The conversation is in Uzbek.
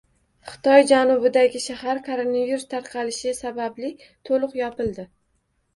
Xitoy janubidagi shahar koronavirus tarqalishi sababli to‘liq yopildi